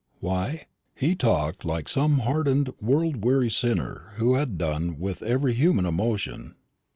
Why, he talked like some hardened world weary sinner who had done with every human emotion.